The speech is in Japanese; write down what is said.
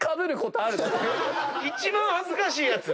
一番恥ずかしいやつ。